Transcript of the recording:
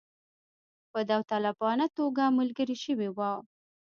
په داوطلبانه توګه ملګري شوي وه.